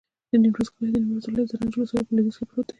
د نیمروز کلی د نیمروز ولایت، زرنج ولسوالي په لویدیځ کې پروت دی.